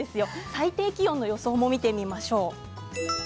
最低気温の予想も見ていきましょう。